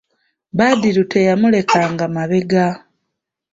Badru teyamulekanga mabega.